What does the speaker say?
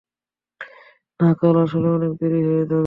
না, কাল আসলে অনেক দেরি হয়ে যাবে।